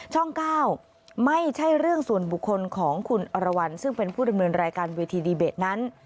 ๙ไม่ใช่เรื่องส่วนบุคคลของคุณอรวรรณซึ่งเป็นผู้ดำเนินรายการเวทีดีเบตนั้น